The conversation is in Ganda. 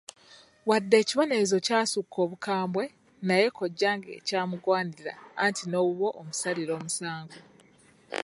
Wadde ekibonerezo kyasukka obukambwe naye kojjange kyamugwanira anti n'owuwo omusalira omusango.